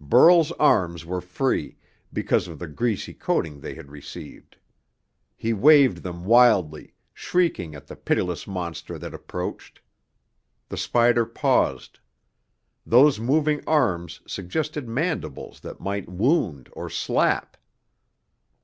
Burl's arms were free, because of the greasy coating they had received. He waved them wildly, shrieking at the pitiless monster that approached. The spider paused. Those moving arms suggested mandibles that might wound or slap.